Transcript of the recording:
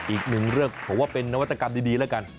อีกหนึ่งเรื่องผมว่าเป็นนวัตกรรมดีแล้วกัน